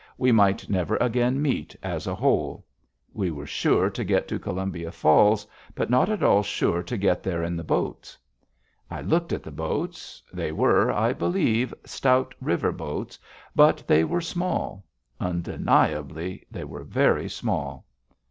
We might never again meet, as a whole. We were sure to get to Columbia Falls, but not at all sure to get there in the boats. I looked at the boats; they were, I believe, stout river boats. But they were small. Undeniably, they were very small.